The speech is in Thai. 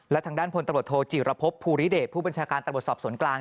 และทางด้านพลตำรวจโทจีรพบภูริเดชผู้บัญชาการตำรวจสอบสวนกลาง